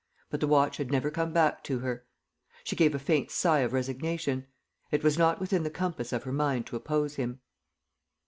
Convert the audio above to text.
But the watch had never come back to her. She gave a faint sigh of resignation. It was not within the compass of her mind to oppose him.